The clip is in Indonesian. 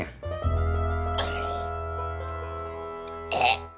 dari tadi saya nanya